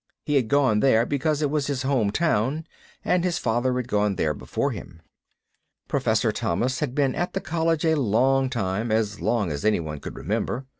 He had gone there because it was his home town, and his father had gone there before him. Professor Thomas had been at the College a long time, as long as anyone could remember.